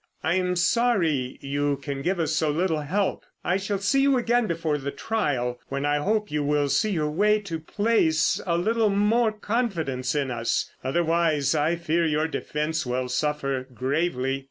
"I am sorry you can give us so little help. I shall see you again before the trial, when I hope you will see your way to place a little more confidence in us, otherwise I fear your defence will suffer gravely."